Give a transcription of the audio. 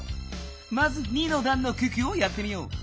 まず２のだんの九九をやってみよう。